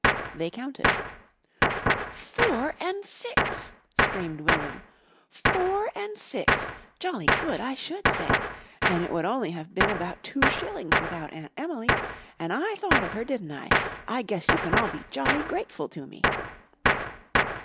They counted. "Four an' six!" screamed William. "Four an' six! Jolly good, I should say! An' it would only have been about two shillings without Aunt Emily, an' I thought of her, didn't I? I guess you can all be jolly grateful to me."